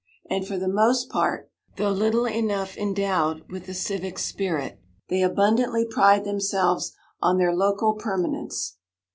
And for the most part, though little enough endowed with the civic spirit, they abundantly pride themselves on their local permanence.